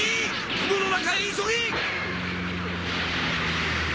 雲の中へ急げ！